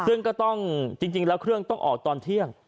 ซึ่งก็ต้องจริงแล้วเครื่องต้องออกตอนเที่ยง